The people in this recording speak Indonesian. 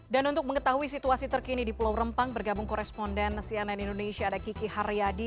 dan untuk mengetahui situasi terkini di pulau rempang bergabung koresponden cnn indonesia ada kiki haryadi